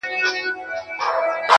ته به هم بچو ته کیسې وکړې د ځوانۍ -